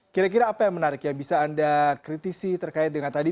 kira kira apa yang menarik yang bisa anda kritisi terkait dengan tadi